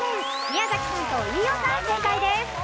宮崎さんと飯尾さん正解です。